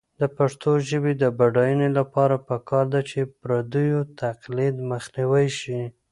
د پښتو ژبې د بډاینې لپاره پکار ده چې پردیو تقلید مخنیوی شي.